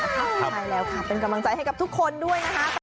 ใช่แล้วค่ะเป็นกำลังใจให้กับทุกคนด้วยนะคะ